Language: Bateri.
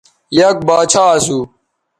یک باچھا اسو